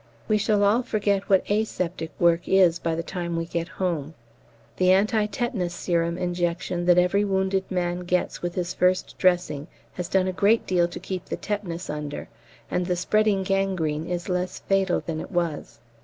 We shall all forget what aseptic work is by the time we get home. The anti tetanus serum injection that every wounded man gets with his first dressing has done a great deal to keep the tetanus under, and the spreading gangrene is less fatal than it was.